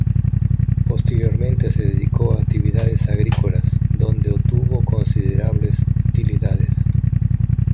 Posteriormente se dedicó a actividades agrícolas, donde obtuvo considerables utilidades.